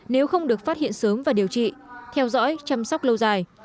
nếu không được phát hiện sớm và điều trị theo dõi chăm sóc lâu dài